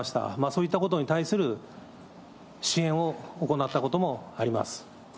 そういったことに対する支援を行ったこともあります。